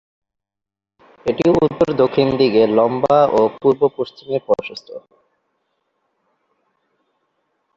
এটি উত্তর-দক্ষিণ দিকে লম্বা ও পূর্ব-পশ্চিমে প্রশস্ত।